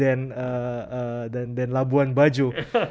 lebih jauh dari labuan bajo